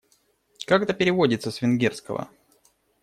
Как это переводится с венгерского?